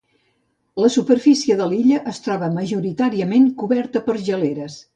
La superfície de l'illa es troba majoritàriament coberta per geleres.